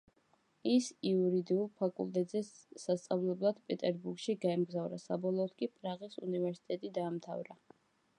ის იურიდიულ ფაკულტეტზე სასწავლებლად პეტერბურგში გაემგზავრა, საბოლოოდ კი პრაღის უნივერსიტეტი დაამთავრა.